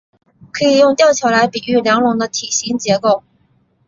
可以用吊桥来比喻梁龙的体型结构。